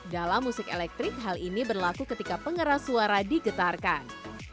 dalam musik elektrik hal ini berlaku ketika pengeras suara digetarkan